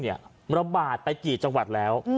ระบาดไปกี่จังหวัดแล้ว